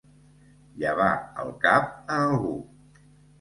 Llevar el cap a algú.